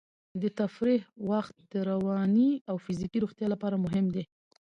د تفریح وخت د رواني او فزیکي روغتیا لپاره مهم دی.